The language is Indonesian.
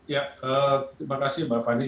ya terima kasih mbak fani